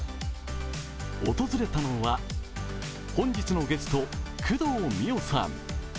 訪れたのは本日のゲスト・工藤美桜さん。